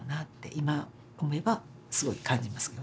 今思えばすごい感じますよね